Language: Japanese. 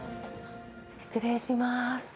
失礼します。